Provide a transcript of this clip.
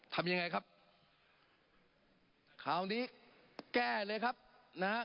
ทำยังไงครับคราวนี้แก้เลยครับนะฮะ